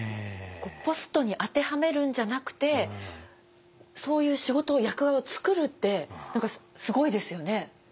ポストに当てはめるんじゃなくてそういう仕事役割を作るって何かすごいですよね。